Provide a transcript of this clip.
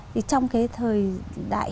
thì trong cái thời đại hội